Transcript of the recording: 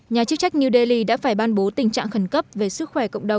nhà chức trách new delhi đã phải ban bố tình trạng khẩn cấp về sức khỏe